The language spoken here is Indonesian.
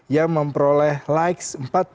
yang memperoleh likes